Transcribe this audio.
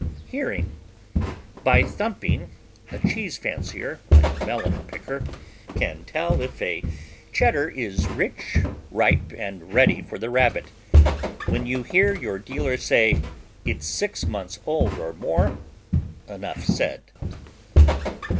hearing: By thumping, a cheese fancier, like a melon picker, can tell if a Cheddar is rich, ripe and ready for the Rabbit. When you hear your dealer say, "It's six months old or more," enough said.